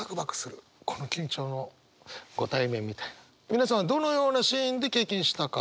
皆さんはどのようなシーンで経験したか。